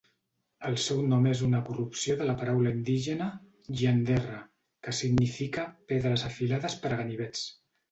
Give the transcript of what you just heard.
El seu nom és una corrupció de la paraula indígena "Gianderra", que significa 'pedres afilades per a ganivets'.